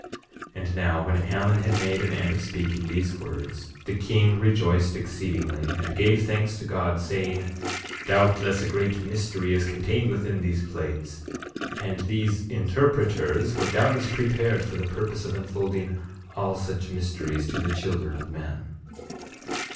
8:19 And now, when Ammon had made an end of speaking these words the king rejoiced exceedingly, and gave thanks to God, saying: Doubtless a great mystery is contained within these plates, and these interpreters were doubtless prepared for the purpose of unfolding all such mysteries to the children of men.